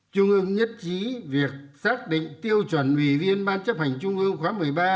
trung ương nhất trí việc xác định tiêu chuẩn ủy viên ban chấp hành trung ương khóa một mươi ba